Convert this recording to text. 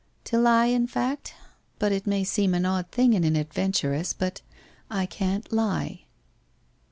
' To lie in fact. But it may seem an odd thing in an adventuress — I can't lie.'